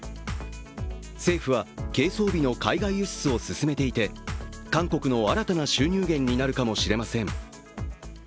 政府はＫ装備の海外輸出を進めていて、韓国の新たな収入源になるかもしれません。